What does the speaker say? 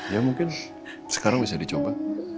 ya mungkin sekarang bisa dicoba